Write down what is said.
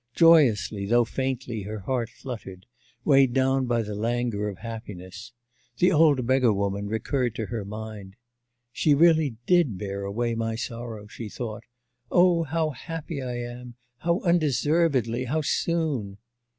Joyously, though faintly, her heart fluttered; weighed down by the languor of happiness. The old beggar woman recurred to her mind. 'She did really bear away my sorrow,' she thought. 'Oh, how happy I am! how undeservedly! how soon!